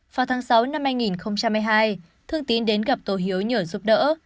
vào tháng sáu năm hai nghìn một mươi hai thương tín đến gặp tô hiếu nhờ giúp đỡ